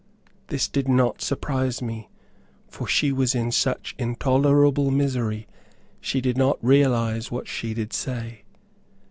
This did not surprise me, for she was in such intolerable misery she did not realize what she did say.